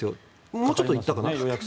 もうちょっといったかな。